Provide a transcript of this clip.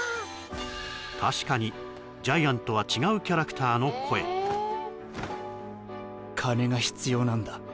確かにジャイアンとは違うキャラクターの声金が必要なんだ